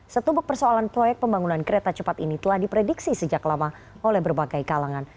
setubuk persoalan proyek pembangunan kereta cepat ini telah diprediksi sejak lama oleh berbagai kalangan